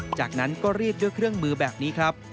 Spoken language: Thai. จากนั้นก็รีดด้วยเครื่องมือแบบนี้ครับ